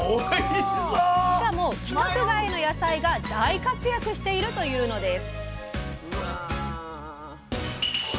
しかも規格外の野菜が大活躍しているというのです。